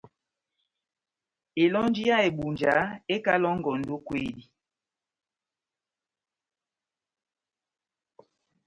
Elɔnji yá Ebunja ekalɔngɔndi ó kwedi.